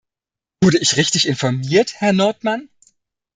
Wurde ich richtig informiert, Herr Nordmann?